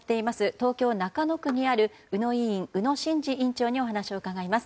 東京・中野区にある宇野医院、宇野真二院長にお話を伺います。